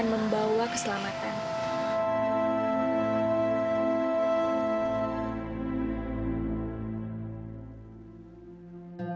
keluar dari istana